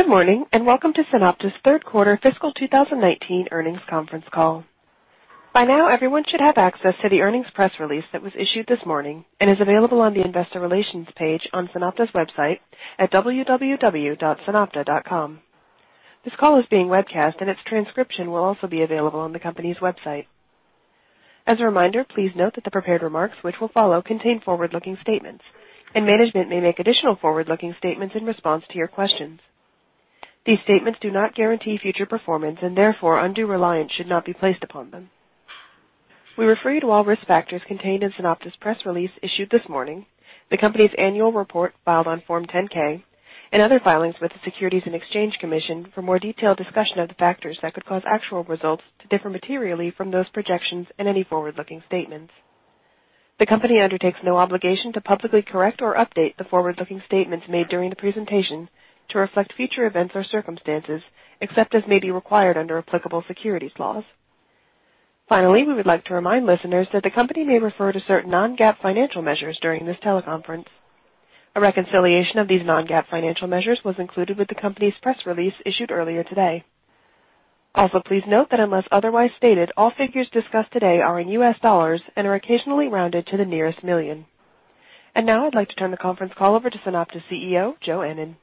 Good morning, and welcome to SunOpta's third quarter fiscal 2019 earnings conference call. By now, everyone should have access to the earnings press release that was issued this morning and is available on the investor relations page on SunOpta's website at www.sunopta.com. As a reminder, please note that the prepared remarks which will follow contain forward-looking statements, and management may make additional forward-looking statements in response to your questions. These statements do not guarantee future performance, and therefore, undue reliance should not be placed upon them. We refer you to all risk factors contained in SunOpta's press release issued this morning, the company's annual report filed on Form 10-K, and other filings with the Securities and Exchange Commission for more detailed discussion of the factors that could cause actual results to differ materially from those projections and any forward-looking statements. The company undertakes no obligation to publicly correct or update the forward-looking statements made during the presentation to reflect future events or circumstances except as may be required under applicable securities laws. Finally, we would like to remind listeners that the company may refer to certain non-GAAP financial measures during this teleconference. A reconciliation of these non-GAAP financial measures was included with the company's press release issued earlier today. Also, please note that unless otherwise stated, all figures discussed today are in US dollars and are occasionally rounded to the nearest million. Now I'd like to turn the conference call over to SunOpta's CEO, Joe Ennen.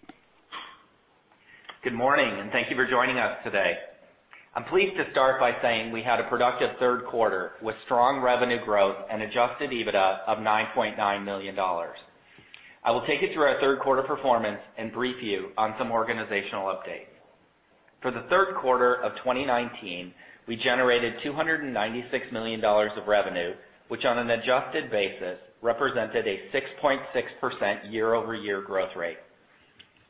Good morning, and thank you for joining us today. I'm pleased to start by saying we had a productive third quarter with strong revenue growth and adjusted EBITDA of $9.9 million. I will take you through our third quarter performance and brief you on some organizational updates. For the third quarter of 2019, we generated $296 million of revenue, which on an an adjusted basis represented a 6.6% year-over-year growth rate.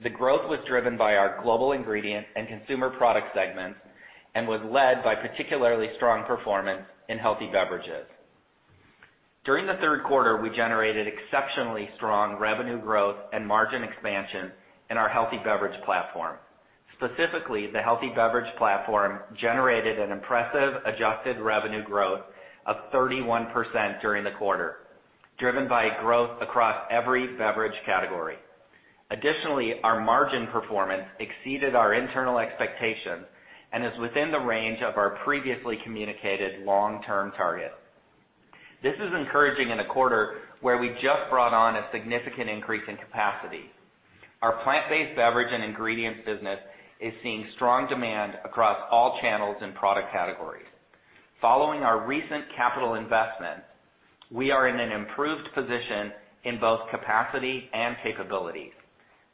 The growth was driven by our global ingredient and consumer product segments and was led by particularly strong performance in healthy beverages. During the third quarter, we generated exceptionally strong revenue growth and margin expansion in our healthy beverage platform. Specifically, the healthy beverage platform generated an impressive adjusted revenue growth of 31% during the quarter, driven by growth across every beverage category. Additionally, our margin performance exceeded our internal expectations and is within the range of our previously communicated long-term target. This is encouraging in a quarter where we just brought on a significant increase in capacity. Our plant-based beverage and ingredients business is seeing strong demand across all channels and product categories. Following our recent capital investment, we are in an improved position in both capacity and capabilities.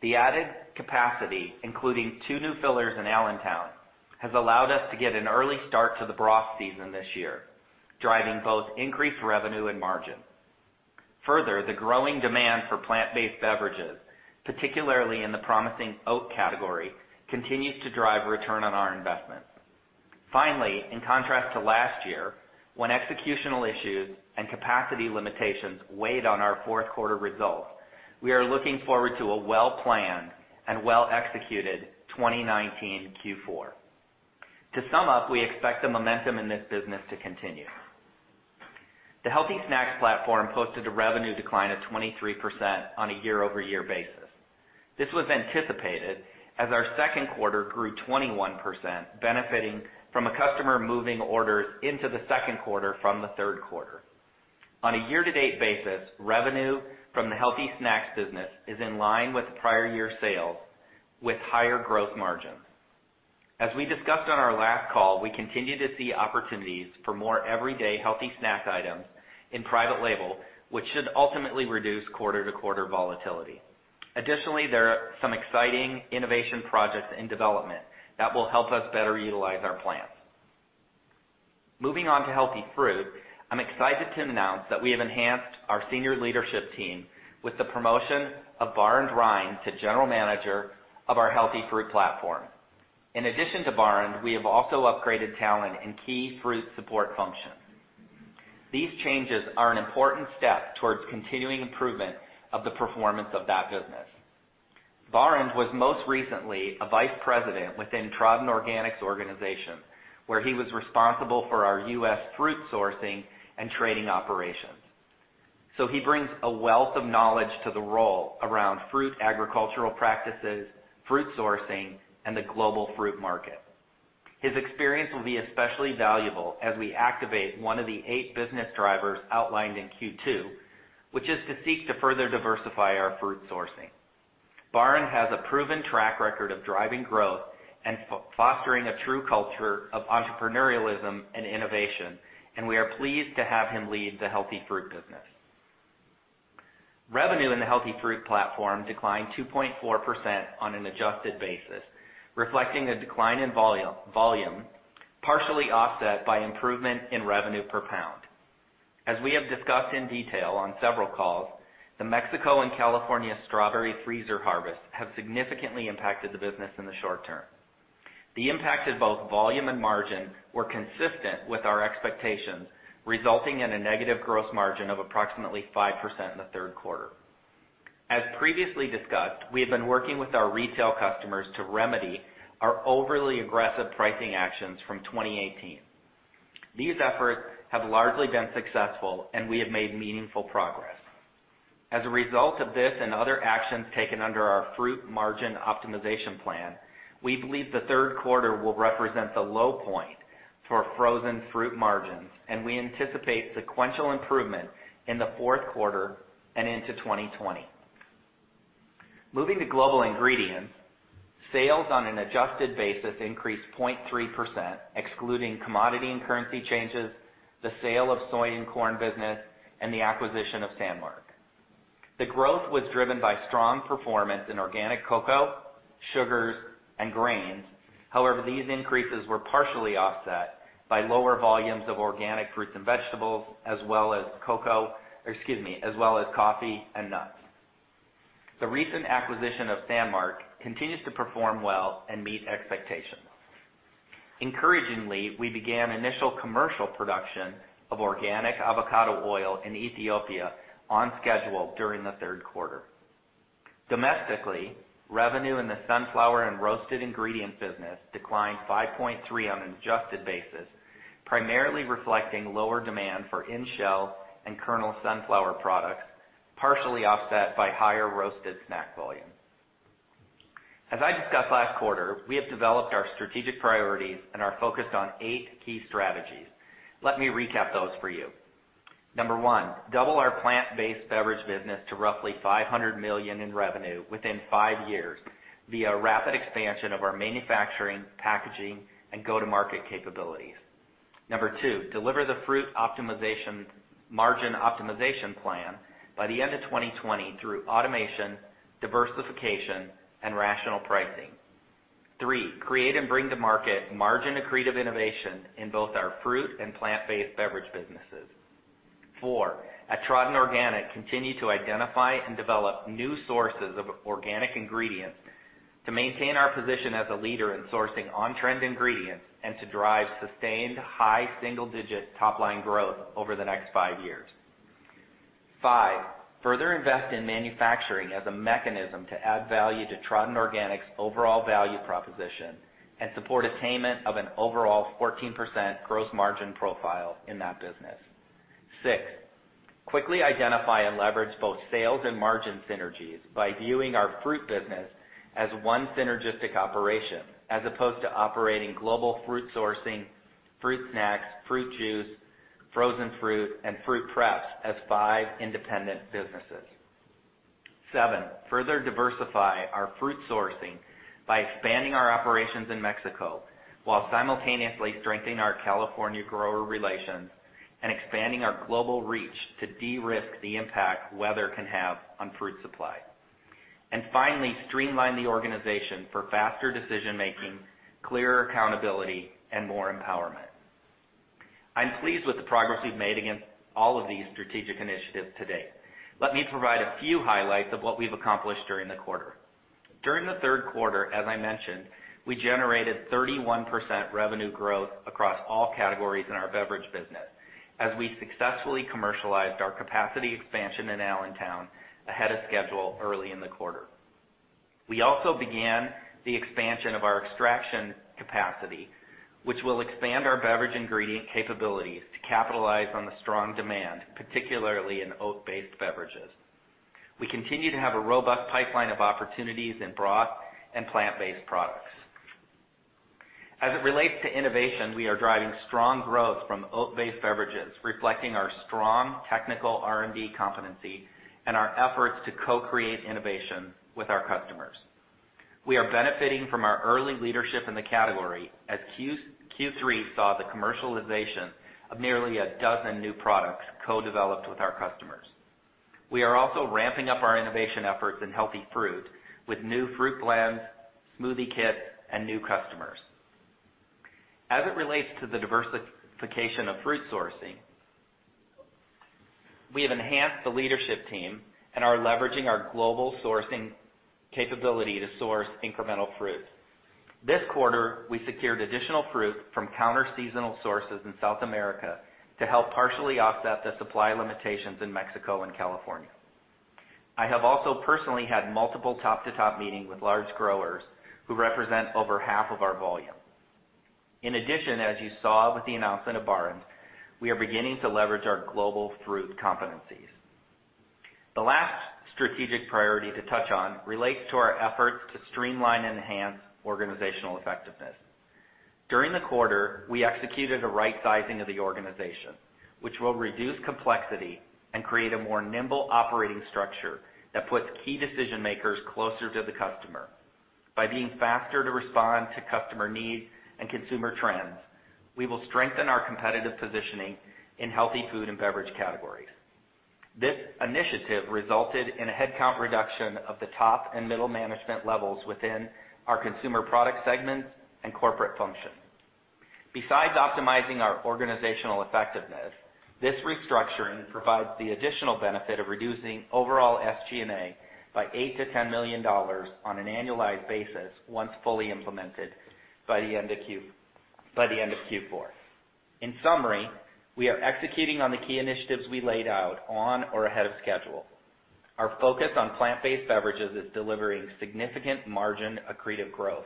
The added capacity, including two new fillers in Allentown, has allowed us to get an early start to the broth season this year, driving both increased revenue and margin. The growing demand for plant-based beverages, particularly in the promising oat category, continues to drive return on our investments. In contrast to last year, when executional issues and capacity limitations weighed on our fourth quarter results, we are looking forward to a well-planned and well-executed 2019 Q4. To sum up, we expect the momentum in this business to continue. The Healthy Snacks platform posted a revenue decline of 23% on a year-over-year basis. This was anticipated as our second quarter grew 21%, benefiting from a customer moving orders into the second quarter from the third quarter. On a year-to-date basis, revenue from the Healthy Snacks business is in line with prior year sales with higher growth margin. As we discussed on our last call, we continue to see opportunities for more everyday healthy snack items in private label, which should ultimately reduce quarter-to-quarter volatility. Additionally, there are some exciting innovation projects in development that will help us better utilize our plans. Moving on to Healthy Fruit. I'm excited to announce that we have enhanced our senior leadership team with the promotion of Barend Reijn to general manager of our Healthy Fruit platform. In addition to Barend, we have also upgraded talent in key fruit support functions. These changes are an important step towards continuing improvement of the performance of that business. Barend was most recently a vice president within Tradin Organic organization, where he was responsible for our U.S. fruit sourcing and trading operations. He brings a wealth of knowledge to the role around fruit agricultural practices, fruit sourcing, and the global fruit market. His experience will be especially valuable as we activate one of the eight business drivers outlined in Q2, which is to seek to further diversify our fruit sourcing. Barend has a proven track record of driving growth and fostering a true culture of entrepreneurialism and innovation, and we are pleased to have him lead the Healthy Fruit business. Revenue in the Healthy Fruit platform declined 2.4% on an adjusted basis, reflecting a decline in volume, partially offset by improvement in revenue per pound. As we have discussed in detail on several calls, the Mexico and California strawberry freeze harvests have significantly impacted the business in the short term. The impact in both volume and margin were consistent with our expectations, resulting in a negative gross margin of approximately 5% in the third quarter. As previously discussed, we have been working with our retail customers to remedy our overly aggressive pricing actions from 2018. These efforts have largely been successful, and we have made meaningful progress. As a result of this and other actions taken under our fruit margin optimization plan, we believe the third quarter will represent the low point for frozen fruit margins, and we anticipate sequential improvement in the fourth quarter and into 2020. Moving to global ingredients, sales on an adjusted basis increased 0.3%, excluding commodity and currency changes, the sale of soy and corn business, and the acquisition of Sanmark. The growth was driven by strong performance in organic cocoa, sugars, and grains. However, these increases were partially offset by lower volumes of organic fruits and vegetables, as well as coffee and nuts. The recent acquisition of Sanmark continues to perform well and meet expectations. Encouragingly, we began initial commercial production of organic avocado oil in Ethiopia on schedule during the third quarter. Domestically, revenue in the sunflower and roasted ingredient business declined 5.3% on an adjusted basis, primarily reflecting lower demand for in-shell and kernel sunflower products, partially offset by higher roasted snack volume. As I discussed last quarter, we have developed our strategic priorities and are focused on eight key strategies. Let me recap those for you. Number one, double our plant-based beverage business to roughly $500 million in revenue within five years via rapid expansion of our manufacturing, packaging, and go-to-market capabilities. Number two, deliver the fruit margin optimization plan by the end of 2020 through automation, diversification, and rational pricing. Three, create and bring to market margin accretive innovation in both our fruit and plant-based beverage businesses. Four, at Tradin Organic, continue to identify and develop new sources of organic ingredients to maintain our position as a leader in sourcing on-trend ingredients and to drive sustained high single-digit top-line growth over the next five years. Five, further invest in manufacturing as a mechanism to add value to Tradin Organic's overall value proposition and support attainment of an overall 14% gross margin profile in that business. Six, quickly identify and leverage both sales and margin synergies by viewing our fruit business as one synergistic operation, as opposed to operating global fruit sourcing, fruit snacks, fruit juice, frozen fruit, and fruit preps as five independent businesses. Seven, further diversify our fruit sourcing by expanding our operations in Mexico while simultaneously strengthening our California grower relations and expanding our global reach to de-risk the impact weather can have on fruit supply. Finally, streamline the organization for faster decision-making, clearer accountability, and more empowerment. I'm pleased with the progress we've made against all of these strategic initiatives to date. Let me provide a few highlights of what we've accomplished during the quarter. During the third quarter, as I mentioned, we generated 31% revenue growth across all categories in our beverage business as we successfully commercialized our capacity expansion in Allentown ahead of schedule early in the quarter. We also began the expansion of our extraction capacity, which will expand our beverage ingredient capabilities to capitalize on the strong demand, particularly in oat-based beverages. We continue to have a robust pipeline of opportunities in broth and plant-based products. As it relates to innovation, we are driving strong growth from oat-based beverages, reflecting our strong technical R&D competency and our efforts to co-create innovation with our customers. We are benefiting from our early leadership in the category, as Q3 saw the commercialization of nearly a dozen new products co-developed with our customers. We are also ramping up our innovation efforts in Healthy Fruit with new fruit blends, smoothie kits, and new customers. As it relates to the diversification of fruit sourcing, we have enhanced the leadership team and are leveraging our global sourcing capability to source incremental fruit. This quarter, we secured additional fruit from counter-seasonal sources in South America to help partially offset the supply limitations in Mexico and California. I have also personally had multiple top-to-top meetings with large growers who represent over half of our volume. In addition, as you saw with the announcement of Barend Reijn, we are beginning to leverage our global fruit competencies. The last strategic priority to touch on relates to our efforts to streamline and enhance organizational effectiveness. During the quarter, we executed a right sizing of the organization, which will reduce complexity and create a more nimble operating structure that puts key decision-makers closer to the customer. By being faster to respond to customer needs and consumer trends, we will strengthen our competitive positioning in healthy food and beverage categories. This initiative resulted in a headcount reduction of the top and middle management levels within our consumer product segments and corporate functions. Besides optimizing our organizational effectiveness, this restructuring provides the additional benefit of reducing overall SG&A by $8 million-$10 million on an annualized basis once fully implemented by the end of Q4. In summary, we are executing on the key initiatives we laid out on or ahead of schedule. Our focus on plant-based beverages is delivering significant margin accretive growth.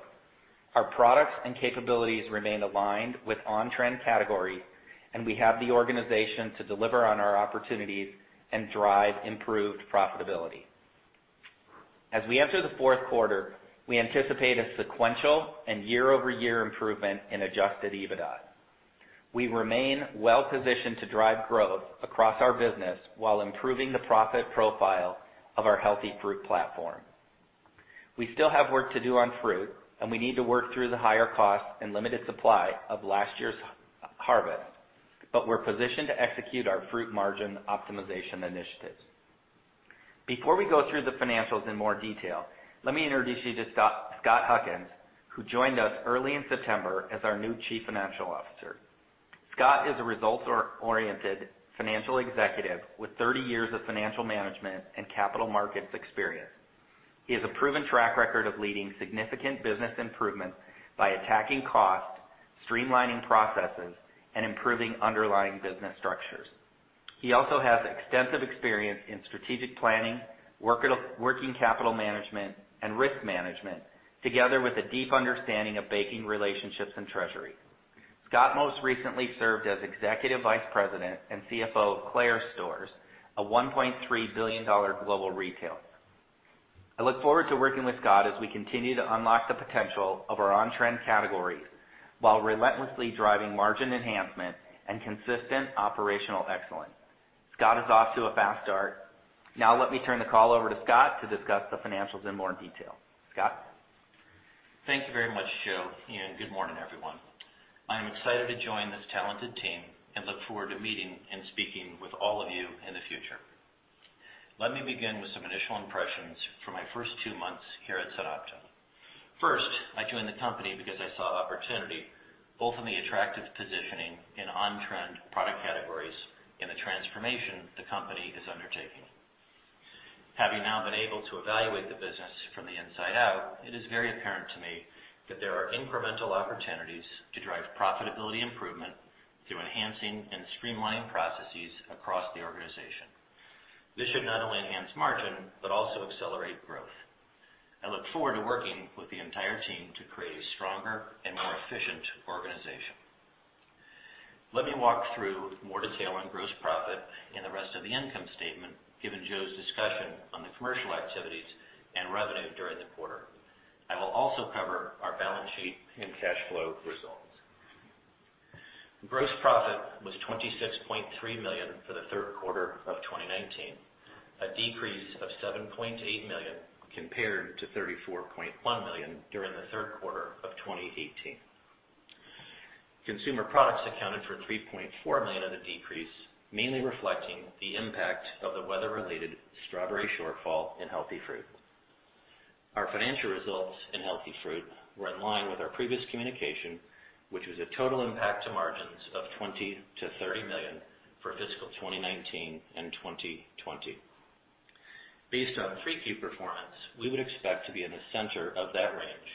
Our products and capabilities remain aligned with on-trend categories, and we have the organization to deliver on our opportunities and drive improved profitability. As we enter the fourth quarter, we anticipate a sequential and year-over-year improvement in adjusted EBITDA. We remain well positioned to drive growth across our business while improving the profit profile of our Healthy Fruit platform. We still have work to do on fruit, and we need to work through the higher costs and limited supply of last year's harvest, but we're positioned to execute our fruit margin optimization initiatives. Before we go through the financials in more detail, let me introduce you to Scott Huckins, who joined us early in September as our new Chief Financial Officer. Scott is a results-oriented financial executive with 30 years of financial management and capital markets experience. He has a proven track record of leading significant business improvements by attacking costs, streamlining processes, and improving underlying business structures. He also has extensive experience in strategic planning, working capital management, and risk management, together with a deep understanding of banking relationships and treasury. Scott most recently served as Executive Vice President and CFO of Claire's Stores, a $1.3 billion global retailer. I look forward to working with Scott as we continue to unlock the potential of our on-trend categories while relentlessly driving margin enhancement and consistent operational excellence. Scott is off to a fast start. Now let me turn the call over to Scott to discuss the financials in more detail. Scott? Thank you very much, Joe, and good morning, everyone. I am excited to join this talented team and look forward to meeting and speaking with all of you in the future. Let me begin with some initial impressions from my first two months here at SunOpta. First, I joined the company because I saw opportunity, both in the attractive positioning in on-trend product categories and the transformation the company is undertaking. Having now been able to evaluate the business from the inside out, it is very apparent to me that there are incremental opportunities to drive profitability improvement through enhancing and streamlining processes across the organization. This should not only enhance margin, but also accelerate growth. I look forward to working with the entire team to create a stronger and more efficient organization. Let me walk through more detail on gross profit and the rest of the income statement, given Joe's discussion on the commercial activities and revenue during the quarter. I will also cover our balance sheet and cash flow results. Gross profit was $26.3 million for the third quarter of 2019, a decrease of $7.8 million compared to $34.1 million during the third quarter of 2018. Consumer products accounted for $3.4 million of the decrease, mainly reflecting the impact of the weather-related strawberry shortfall in Healthy Fruit. Our financial results in Healthy Fruit were in line with our previous communication, which was a total impact to margins of $20 million-$30 million for fiscal 2019 and 2020. Based on 3Q performance, we would expect to be in the center of that range,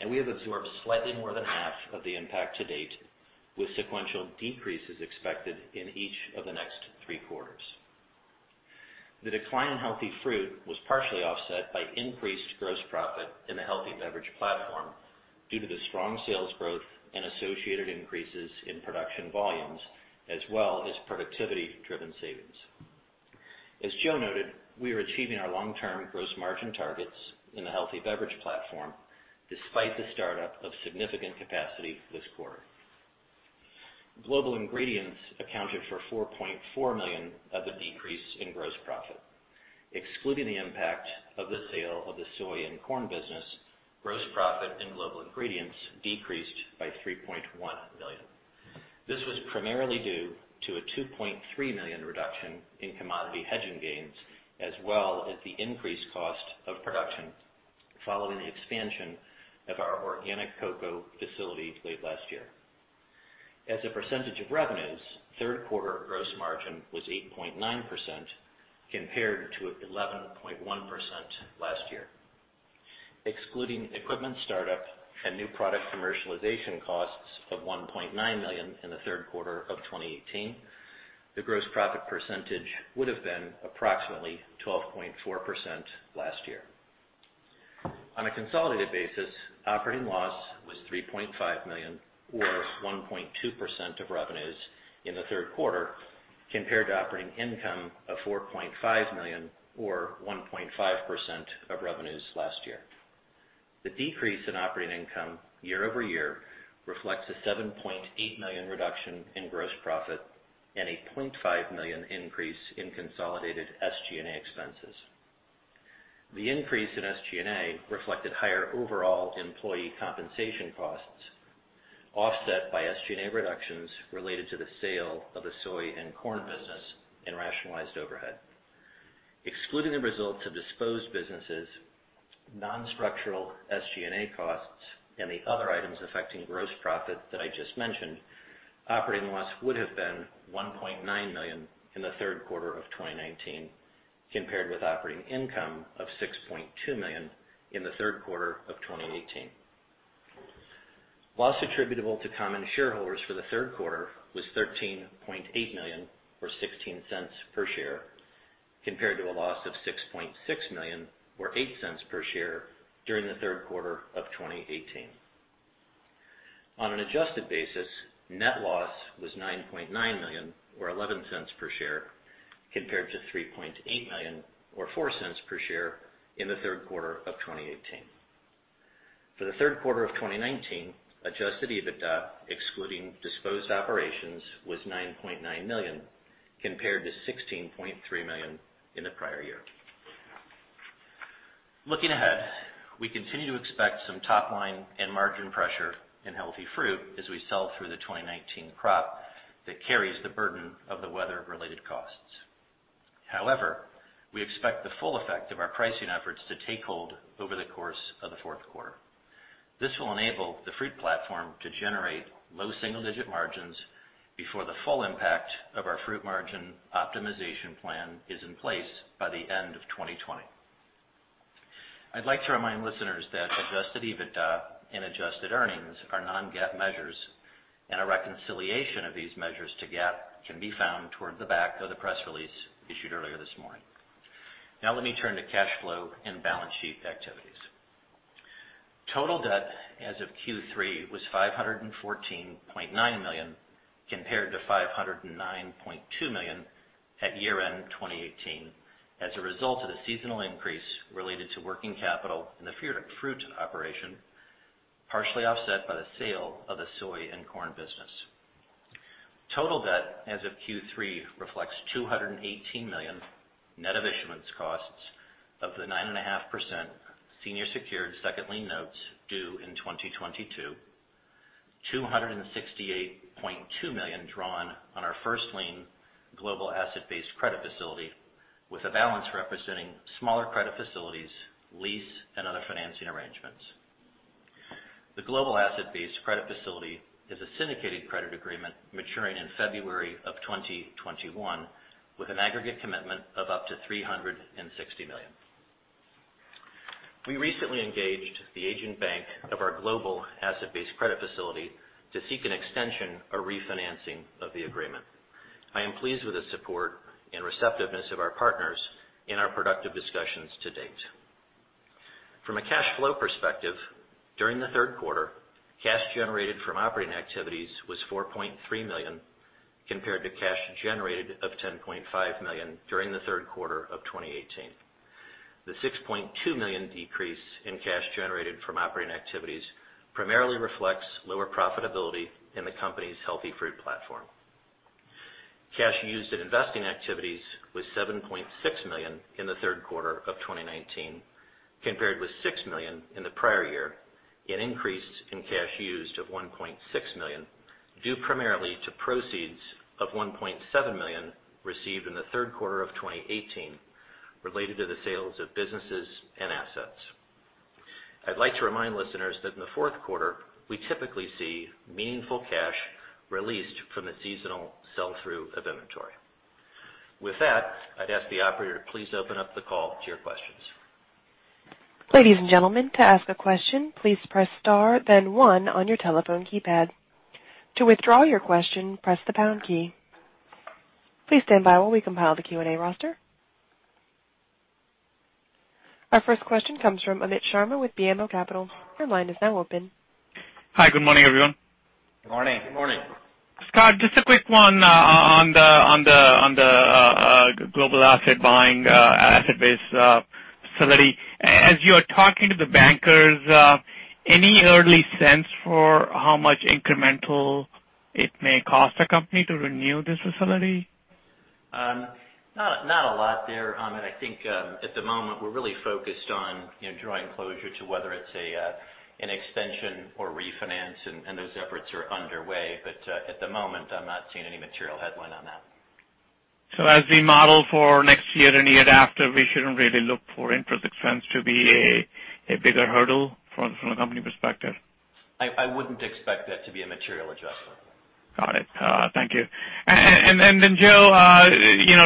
and we have absorbed slightly more than half of the impact to date, with sequential decreases expected in each of the next three quarters. The decline in Healthy Fruit was partially offset by increased gross profit in the healthy beverage platform due to the strong sales growth and associated increases in production volumes, as well as productivity driven savings. As Joe noted, we are achieving our long term gross margin targets in the healthy beverage platform despite the start of significant capacity this quarter. Global Ingredients accounted for $4.4 million of the decrease in gross profit. Excluding the impact of the sale of the soy and corn business, gross profit and Global Ingredients decreased by $3.1 million. This was primarily due to a $2.3 million reduction in commodity hedging gains, as well as the increased cost of production following the expansion of our organic cocoa facility late last year. As a percentage of revenues, third quarter gross margin was 8.9% compared to 11.1% last year. Excluding equipment startup and new product commercialization costs of $1.9 million in the third quarter of 2018, the gross profit percentage would've been approximately 12.4% last year. On a consolidated basis, operating loss was $3.5 million, or 1.2% of revenues in the third quarter, compared to operating income of $4.5 million, or 1.5% of revenues last year. The decrease in operating income year-over-year reflects a $7.8 million reduction in gross profit and a $0.5 million increase in consolidated SG&A expenses. The increase in SG&A reflected higher overall employee compensation costs, offset by SG&A reductions related to the sale of the soy and corn business and rationalized overhead. Excluding the results of disposed businesses, non-structural SG&A costs and the other items affecting gross profit that I just mentioned, operating loss would have been $1.9 million in the third quarter of 2019, compared with operating income of $6.2 million in the third quarter of 2018. Loss attributable to common shareholders for the third quarter was $13.8 million, or $0.16 per share, compared to a loss of $6.6 million, or $0.08 per share during the third quarter of 2018. On an adjusted basis, net loss was $9.9 million or $0.11 per share, compared to $3.8 million or $0.04 per share in the third quarter of 2018. For the third quarter of 2019, adjusted EBITDA, excluding disposed operations, was $9.9 million, compared to $16.3 million in the prior year. Looking ahead, we continue to expect some top-line and margin pressure in Healthy Fruit as we sell through the 2019 crop that carries the burden of the weather-related costs. However, we expect the full effect of our pricing efforts to take hold over the course of the fourth quarter. This will enable the fruit platform to generate low single-digit margins before the full impact of our fruit margin optimization plan is in place by the end of 2020. I'd like to remind listeners that adjusted EBITDA and adjusted earnings are non-GAAP measures, and a reconciliation of these measures to GAAP can be found toward the back of the press release issued earlier this morning. Now let me turn to cash flow and balance sheet activities. Total debt as of Q3 was $514.9 million, compared to $509.2 million at year-end 2018, as a result of the seasonal increase related to working capital in the fruit operation, partially offset by the sale of the soy and corn business. Total debt as of Q3 reflects $218 million net of issuance costs of the 9.5% senior secured second lien notes due in 2022, $268.2 million drawn on our first lien global asset-based credit facility with a balance representing smaller credit facilities, lease, and other financing arrangements. The global asset-based credit facility is a syndicated credit agreement maturing in February of 2021 with an aggregate commitment of up to $360 million. We recently engaged the agent bank of our global asset-based credit facility to seek an extension or refinancing of the agreement. I am pleased with the support and receptiveness of our partners in our productive discussions to date. From a cash flow perspective, during the third quarter, cash generated from operating activities was $4.3 million, compared to cash generated of $10.5 million during the third quarter of 2018. The $6.2 million decrease in cash generated from operating activities primarily reflects lower profitability in the company's Healthy Fruit platform. Cash used in investing activities was $7.6 million in the third quarter of 2019, compared with $6 million in the prior year, an increase in cash used of $1.6 million, due primarily to proceeds of $1.7 million received in the third quarter of 2018 related to the sales of businesses and assets. I'd like to remind listeners that in the fourth quarter, we typically see meaningful cash released from the seasonal sell-through of inventory. With that, I'd ask the operator to please open up the call to your questions. Ladies and gentlemen, to ask a question, please press star, then one on your telephone keypad. To withdraw your question, press the pound key. Please stand by while we compile the Q&A roster. Our first question comes from Amit Sharma with BMO Capital. Your line is now open. Hi. Good morning, everyone. Good morning. Good morning. Scott, just a quick one on the global asset-based facility. As you are talking to the bankers, any early sense for how much incremental it may cost the company to renew this facility? Not a lot there, Amit. I think at the moment, we're really focused on drawing closure to whether it's an extension or refinance, and those efforts are underway. At the moment, I'm not seeing any material headline on that. As we model for next year and the year after, we shouldn't really look for interest expense to be a bigger hurdle from the company perspective? I wouldn't expect that to be a material adjustment. Got it. Thank you. Joe,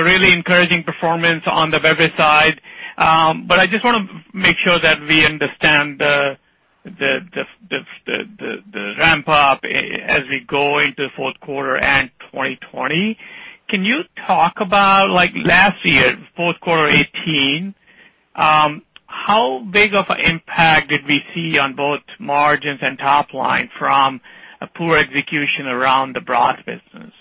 really encouraging performance on the beverage side. I just want to make sure that we understand the ramp up as we go into fourth quarter and 2020. Can you talk about last year's fourth quarter 2018, how big of an impact did we see on both margins and top line from a poor execution around the broth business?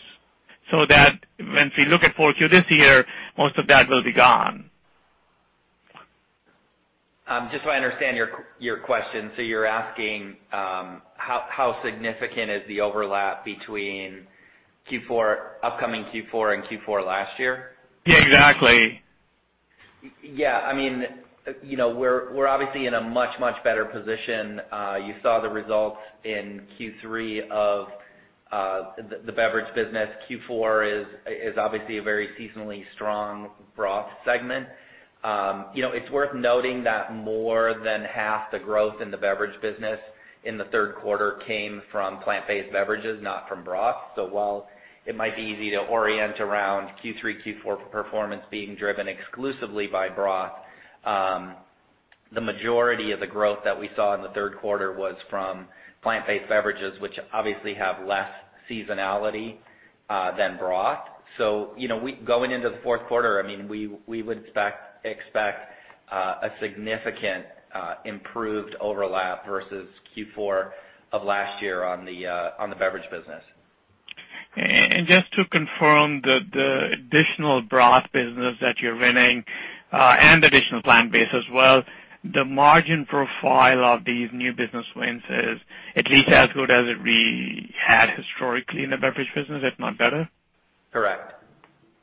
When we look at fourth Q this year, most of that will be gone. Just so I understand your question. You're asking how significant is the overlap between upcoming Q4 and Q4 last year? Yeah, exactly. Yeah. We're obviously in a much, much better position. You saw the results in Q3 of the beverage business. Q4 is obviously a very seasonally strong broth segment. It's worth noting that more than half the growth in the beverage business in the third quarter came from plant-based beverages, not from broth. While it might be easy to orient around Q3, Q4 performance being driven exclusively by broth. The majority of the growth that we saw in the third quarter was from plant-based beverages, which obviously have less seasonality than broth. Going into the fourth quarter, we would expect a significant improved overlap versus Q4 of last year on the beverage business. Just to confirm that the additional broth business that you're winning and additional plant-based as well, the margin profile of these new business wins is at least as good as it really had historically in the beverage business, if not better? Correct.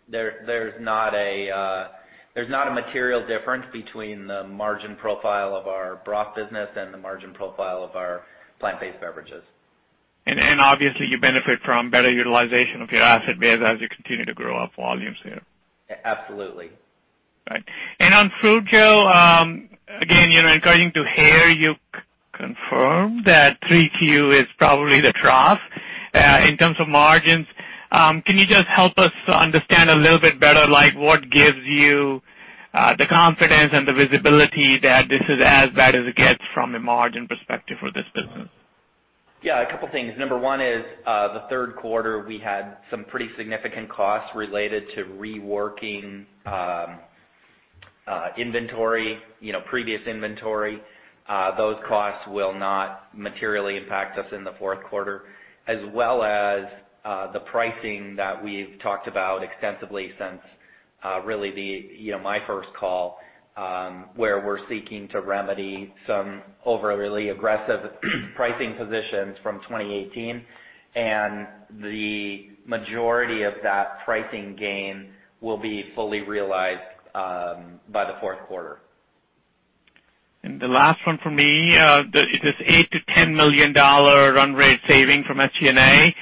There's not a material difference between the margin profile of our broth business and the margin profile of our plant-based beverages. Obviously, you benefit from better utilization of your asset base as you continue to grow up volumes here. Absolutely. Right. On Fruit2Go, again, according to [here], you confirmed that 3Q is probably the trough in terms of margins. Can you just help us understand a little bit better, like what gives you the confidence and the visibility that this is as bad as it gets from a margin perspective for this business? Yeah, a couple things. Number one is the third quarter, we had some pretty significant costs related to reworking previous inventory. Those costs will not materially impact us in the fourth quarter, as well as the pricing that we've talked about extensively since really my first call, where we're seeking to remedy some overly aggressive pricing positions from 2018, and the majority of that pricing gain will be fully realized by the fourth quarter. The last one from me, this $8 million to $10 million run rate saving from SG&A.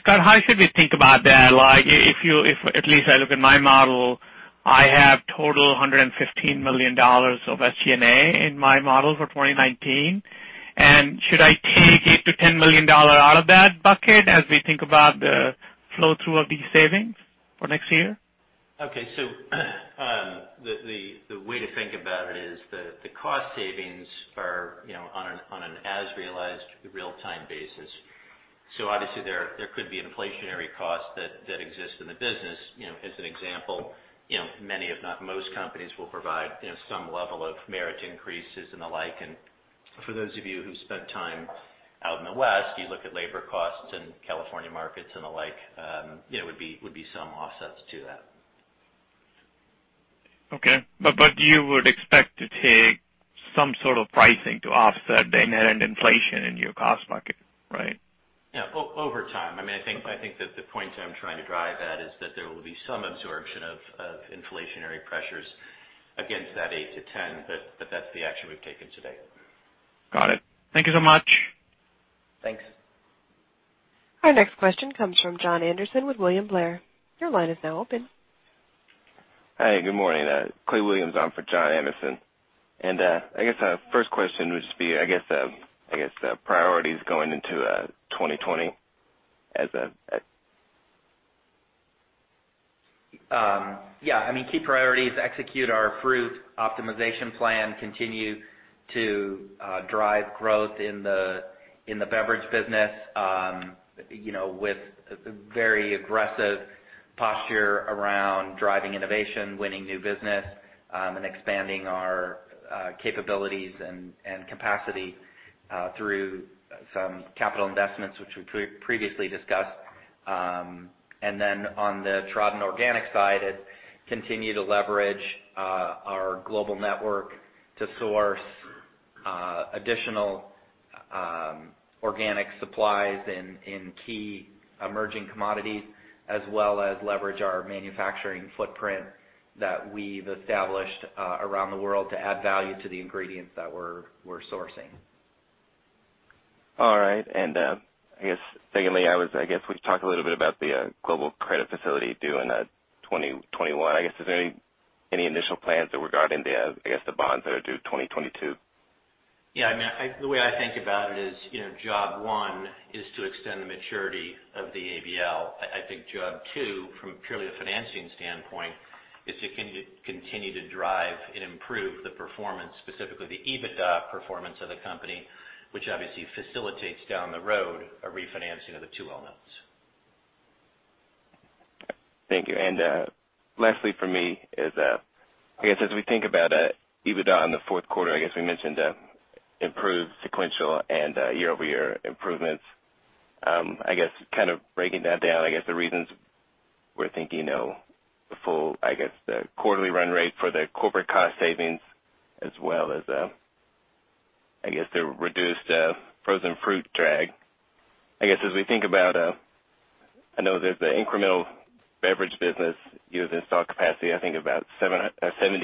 Scott, how should we think about that? Like, if at least I look at my model, I have total $115 million of SG&A in my model for 2019. Should I take $8 million to $10 million out of that bucket as we think about the flow-through of these savings for next year? Okay. The way to think about it is the cost savings are on an as-realized real-time basis. Obviously there could be inflationary costs that exist in the business. As an example, many, if not most companies, will provide some level of merit increases and the like. For those of you who've spent time out in the West, you look at labor costs in California markets and the like, there would be some offsets to that. Okay. You would expect to take some sort of pricing to offset the net and inflation in your cost bucket, right? Yeah. Over time. I think that the point I'm trying to drive at is that there will be some absorption of inflationary pressures against that eight to 10, but that's the action we've taken to date. Got it. Thank you so much. Thanks. Our next question comes from Jon Andersen with William Blair. Your line is now open. Hi, good morning. Clay Williams on for Jon Andersen. I guess first question would just be, I guess the priorities going into 2020 as a. Yeah, key priorities, execute our fruit optimization plan, continue to drive growth in the beverage business with very aggressive posture around driving innovation, winning new business, and expanding our capabilities and capacity through some capital investments which we previously discussed. On the Tradin Organic side, continue to leverage our global network to source additional organic supplies in key emerging commodities as well as leverage our manufacturing footprint that we've established around the world to add value to the ingredients that we're sourcing. All right. I guess secondly, I guess we've talked a little bit about the global credit facility due in 2021. I guess, is there any initial plans regarding the, I guess, the bonds that are due 2022? The way I think about it is job one is to extend the maturity of the ABL. I think job two, from purely a financing standpoint, is to continue to drive and improve the performance, specifically the EBITDA performance of the company, which obviously facilitates down the road a refinancing of the two elements. Thank you. Lastly for me is, as we think about EBITDA in the fourth quarter, we mentioned improved sequential and year-over-year improvements. Kind of breaking that down, the reasons we're thinking the full quarterly run rate for the corporate cost savings as well as the reduced frozen fruit drag. As we think about, I know there's the incremental beverage business using stock capacity about $70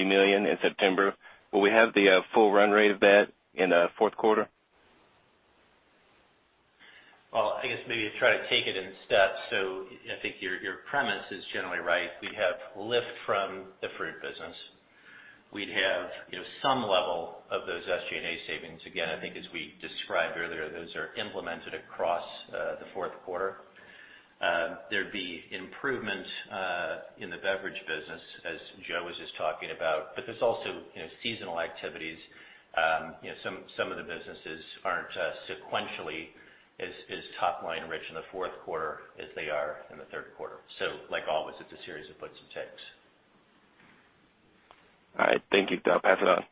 million in September. Will we have the full run rate of that in the fourth quarter? I guess maybe to try to take it in steps. I think your premise is generally right. We have lift from the fruit business. We'd have some level of those SGA savings. Again, I think as we described earlier, those are implemented across the fourth quarter. There'd be improvement in the beverage business, as Joe was just talking about. There's also seasonal activities. Some of the businesses aren't sequentially as top-line rich in the fourth quarter as they are in the third quarter. Like always, it's a series of puts and takes. All right. Thank you. I'll pass it on.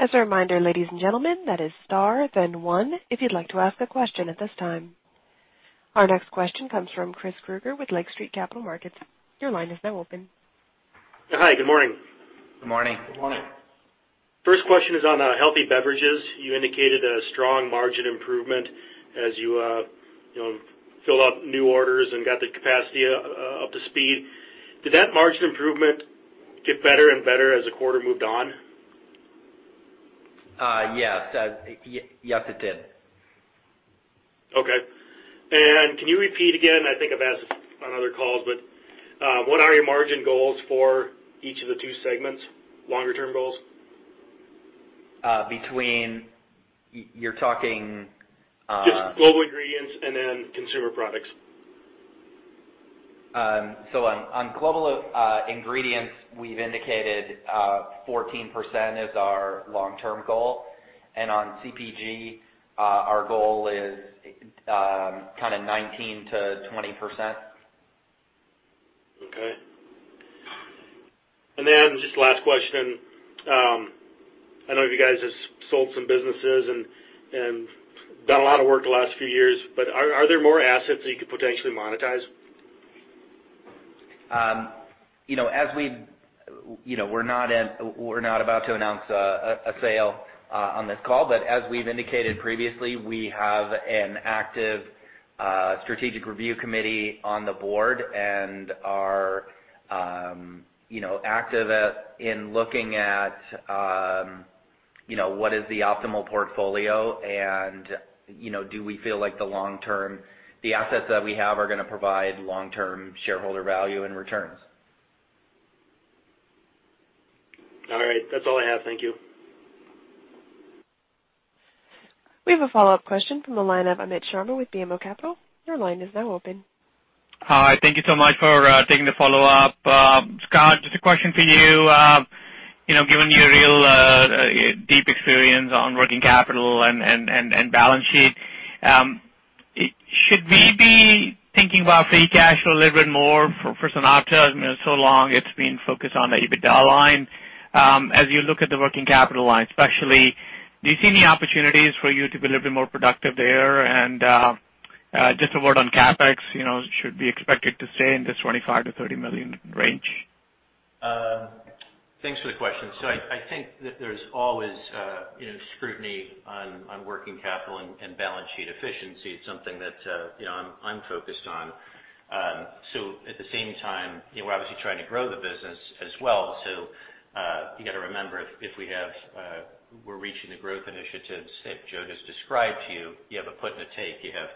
As a reminder, ladies and gentlemen, that is star then one if you'd like to ask a question at this time. Our next question comes from Chris Krueger with Lake Street Capital Markets. Your line is now open. Hi, good morning. Good morning. Good morning. First question is on healthy beverages. You indicated a strong margin improvement as you filled out new orders and got the capacity up to speed. Did that margin improvement get better and better as the quarter moved on? Yes, it did. Okay. Can you repeat again, I think I've asked this on other calls, but what are your margin goals for each of the two segments, longer term goals? Between, you're talking- Just global ingredients and then consumer products. On global ingredients, we've indicated 14% is our long term goal. On CPG, our goal is kind of 19%-20%. Okay. Just last question. I know you guys just sold some businesses and done a lot of work the last few years, are there more assets that you could potentially monetize? We're not about to announce a sale on this call. As we've indicated previously, we have an active strategic review committee on the board and are active in looking at what is the optimal portfolio and do we feel like the assets that we have are going to provide long-term shareholder value and returns. All right. That's all I have. Thank you. We have a follow-up question from the line of Amit Sharma with BMO Capital. Your line is now open. Hi. Thank you so much for taking the follow-up. Scott, just a question for you. Given your real deep experience on working capital and balance sheet, should we be thinking about free cash a little bit more for SunOpta? So long it's been focused on the EBITDA line. As you look at the working capital line especially, do you see any opportunities for you to be a little bit more productive there? Just a word on CapEx, should we expect it to stay in this $25 million-$30 million range? Thanks for the question. I think that there's always scrutiny on working capital and balance sheet efficiency. It's something that I'm focused on. At the same time, we're obviously trying to grow the business as well. You got to remember, if we're reaching the growth initiatives that Joe just described to you have a put and a take. You have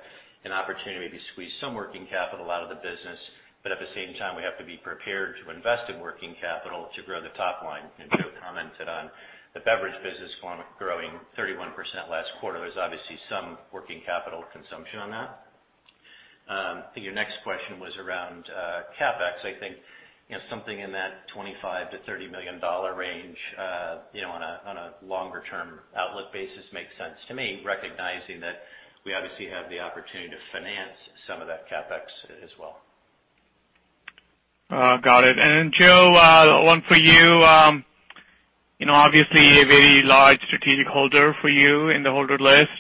an opportunity to squeeze some working capital out of the business, but at the same time, we have to be prepared to invest in working capital to grow the top line. Joe commented on the beverage business growing 31% last quarter. There's obviously some working capital consumption on that. I think your next question was around CapEx. I think something in that $25 million-$30 million range on a longer term outlook basis makes sense to me, recognizing that we obviously have the opportunity to finance some of that CapEx as well. Got it. Joe, one for you. Obviously a very large strategic holder for you in the holder list.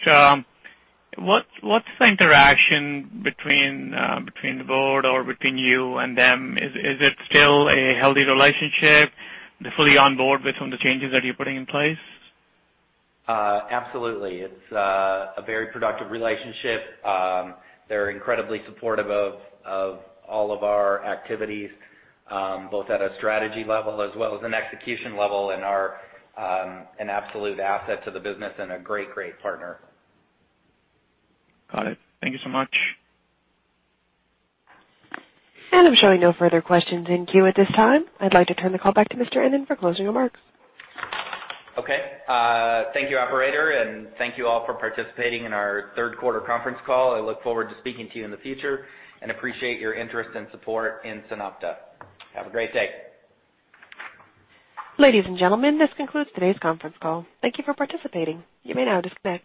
What's the interaction between the board or between you and them? Is it still a healthy relationship? They're fully on board with some of the changes that you're putting in place? Absolutely. It's a very productive relationship. They're incredibly supportive of all of our activities, both at a strategy level as well as an execution level, and are an absolute asset to the business and a great partner. Got it. Thank you so much. I'm showing no further questions in queue at this time. I'd like to turn the call back to Mr. Ennen for closing remarks. Okay. Thank you, operator, and thank you all for participating in our third quarter conference call. I look forward to speaking to you in the future and appreciate your interest and support in SunOpta. Have a great day. Ladies and gentlemen, this concludes today's conference call. Thank you for participating. You may now disconnect.